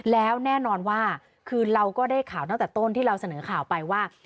แล้วแน่นอนว่าคือเราก็ได้ข่าวตั้งแต่ต้นที่เราเสนอข่าวไปว่า